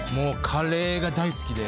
カレーが大好きで。